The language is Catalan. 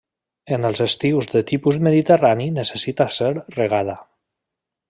En els estius de tipus mediterrani necessita ser regada.